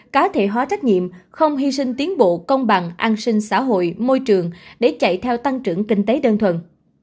cá thể hóa trách nhiệm không hy sinh tiến bộ công bằng an sinh xã hội môi trường để chạy theo tăng trưởng kinh tế đơn thuần